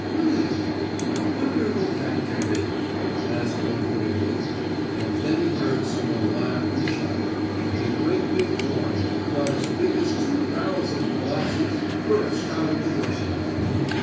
"Hum! I wonder who that can be?" asked Uncle Wiggily, and then he heard some one laugh and shout, and a great big boy, about as big as two barrels of molasses, burst out of the bushes.